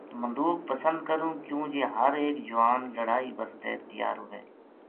مدوک پسند کروں کیوں جی ہر ایک جوان لڑائی بسطے تیار ہووے